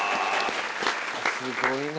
すごいな。